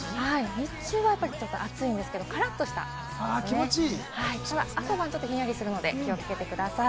日中はちょっと暑いんですけれども、からっとした暑さ、朝晩ちょっとひんやりするので気をつけてください。